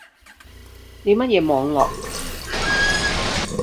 你乜嘢網路